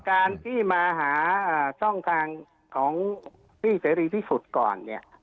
การที่มาหาช่องทางของพี่เตอรีที่สุดก่อน